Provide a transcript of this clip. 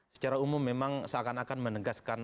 secara umum memang seakan akan menegaskan